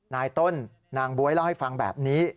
นายต้นนางบ๊วยเล่าให้ฟังแบบนี้